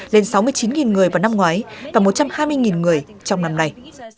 lên sáu mươi chín người vào năm ngoái và một trăm hai mươi người trong năm nay